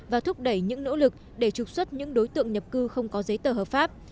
và thúc đẩy những nỗ lực để trục xuất những đối tượng nhập cư không có giấy tờ hợp pháp